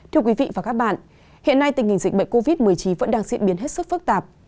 thưa quý vị và các bạn hiện nay tình hình dịch bệnh covid một mươi chín vẫn đang diễn biến hết sức phức tạp